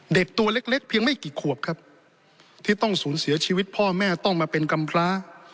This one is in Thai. เด็กตัวเล็กเล็กเพียงไม่กี่ขวบครับที่ต้องสูญเสียชีวิตพ่อแม่ต้องมาเป็นกำพร้า